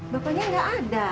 pokoknya gak ada